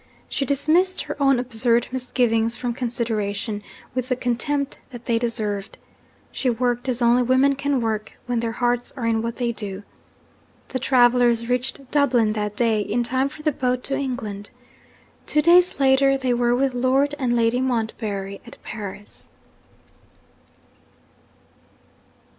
She dismissed her own absurd misgivings from consideration, with the contempt that they deserved. She worked as only women can work, when their hearts are in what they do. The travellers reached Dublin that day, in time for the boat to England. Two days later, they were with Lord and Lady Montbarry at Paris.